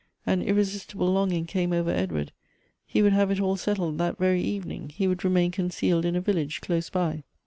An irresistible longing came over Edward ; he would have it all settled that very evening; he would remain concealed in a village close by.